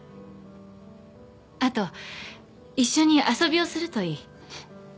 あと一緒に遊びをするといい